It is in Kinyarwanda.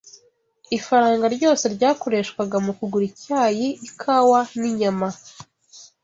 Ifaranga ryose ryakoreshwaga mu kugura icyayi, ikawa, n’inyama